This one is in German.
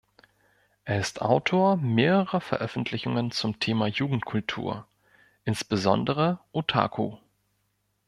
Er ist Autor mehrerer Veröffentlichungen zum Thema Jugendkultur, insbesondere Otaku.